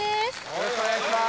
よろしくお願いします